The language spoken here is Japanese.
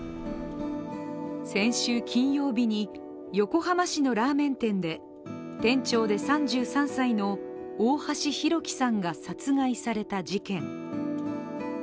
先週金曜日に横浜市のラーメン店で店長で３３歳の大橋弘輝さんが殺害された事件。